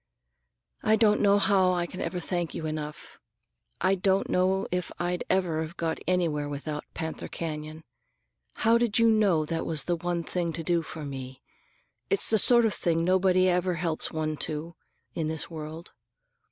"I don't know how I can ever thank you enough. I don't know if I'd ever have got anywhere without Panther Canyon. How did you know that was the one thing to do for me? It's the sort of thing nobody ever helps one to, in this world.